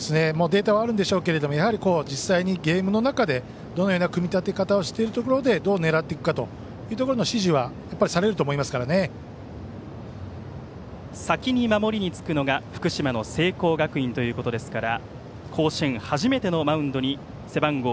データはあるんでしょうけどやはり、実際にゲームの中でどのような組み立て方をしているかというところでどう狙っていくかというところの指示は先に守りにつくのが福島の聖光学院ということですから甲子園初めてのマウンドに背番号１０